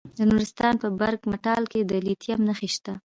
د نورستان په برګ مټال کې د لیتیم نښې شته.